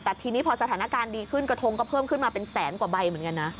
แต่ทีนี้พอสถานการณ์ดีขึ้นกระทงก็เพิ่มขึ้นมาเป็นแสนกว่าใบเหมือนกันนะ